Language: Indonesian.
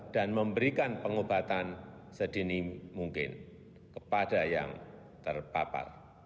dan memberikan pengobatan sedini mungkin kepada yang terpapar